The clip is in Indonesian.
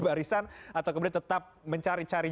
barisan atau kemudian tetap mencari cari